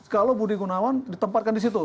kalau budi gunawan ditempatkan di situ